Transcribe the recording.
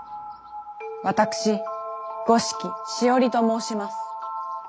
私五色しおりと申します。